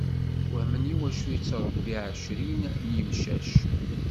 Wehmen iwacu yettṛebbi ɛecrin n yemcac.